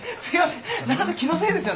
何だ気のせいですよね。